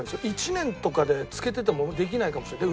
１年とかで漬けててもできないかもしれない。